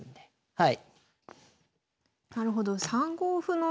はい。